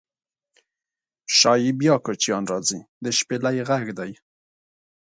شایي بیا کوچیان راځي د شپیلۍ غږدی